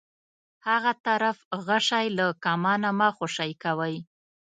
هغه طرف غشی له کمانه مه خوشی کوئ.